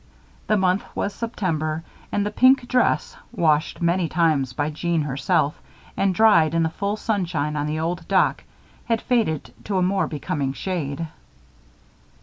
The month was September and the pink dress, washed many times by Jeanne herself and dried in the full sunshine on the old dock, had faded to a more becoming shade.